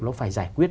nó phải giải quyết